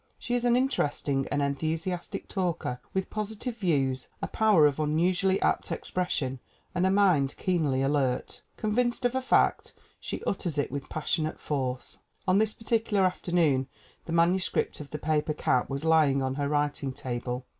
She is an interesting and enthusi astic talker with positive views, a power of unusually apt expression and a mind keenly alert. Convinced of a fact, she utters it with passionate force. On this particular afternoon the manuscript of The Paper Cap was lying on her writing table.